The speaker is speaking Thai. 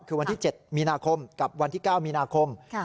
คือวันที่๗มีนาคมกับวันที่๙มีนาคม